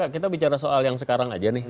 kita bicara soal yang sekarang aja nih